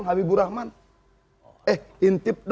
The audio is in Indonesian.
habibur rahman intip